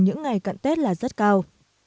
những ngày cận tết là rất cao